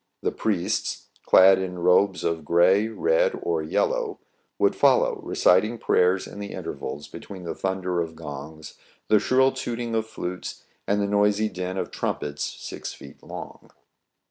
The priests, clad in robes of gray, red, or yellow, would follow, reciting prayers in the intervals be tween the thunder of gongs, the shrill tooting of flutes, and the noisy din of. trumpets six feet long.